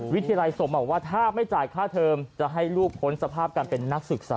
วิทยาลัยสงฆ์บอกว่าถ้าไม่จ่ายค่าเทอมจะให้ลูกพ้นสภาพการเป็นนักศึกษา